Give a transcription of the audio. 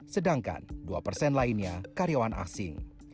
sedangkan dua persen lainnya karyawan asing